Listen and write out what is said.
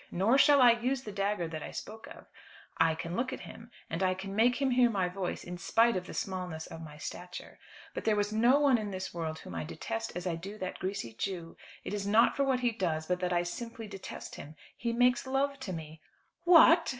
Nor shall I use the dagger that I spoke of. I can look at him, and I can make him hear my voice, in spite of the smallness of my stature. But there is no one in this world whom I detest as I do that greasy Jew. It is not for what he does, but that I simply detest him. He makes love to me." "What!"